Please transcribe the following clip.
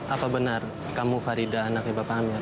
apa benar kamu farida anaknya bapak amir